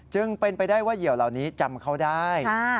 จึงเป็นไปได้ว่าเหยื่อเหล่านี้จำเขาได้